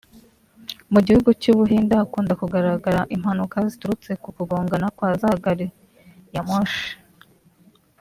Mu gihugu cy’u Buhinde hakunda kugaragara impanuka ziturutse ku kugongana kwa za gari ya moshi